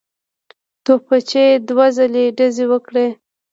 توپچي دوه ځلي ډزې وکړې.